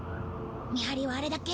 見張りはあれだけ？